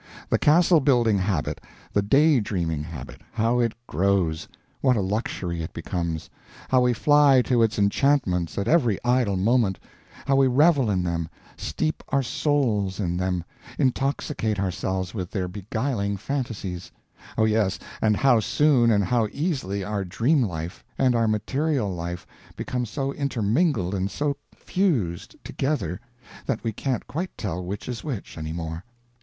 The castle building habit, the day dreaming habit how it grows! what a luxury it becomes; how we fly to its enchantments at every idle moment, how we revel in them, steep our souls in them, intoxicate ourselves with their beguiling fantasies oh yes, and how soon and how easily our dream life and our material life become so intermingled and so fused together that we can't quite tell which is which, any more.